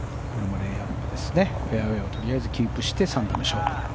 フェアウェーをとりあえずキープして３打目勝負。